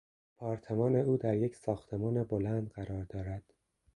آپارتمان او در یک ساختمان بلند قرار دارد.